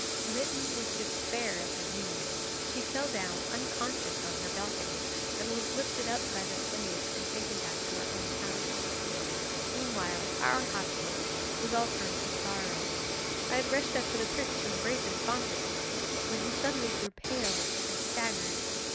Smitten with despair at the news, she fell down unconscious on her balcony, and was lifted up by the slaves and taken back to her own house. 'Meanwhile our happiness was all turned to sorrow. I had rushed up to the prince to embrace him fondly, when he suddenly grew pale and staggered.